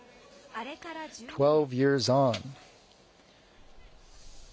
あれから１２年。